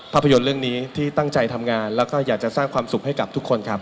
ภาพยนตร์เรื่องนี้ที่ตั้งใจทำงานแล้วก็อยากจะสร้างความสุขให้กับทุกคนครับ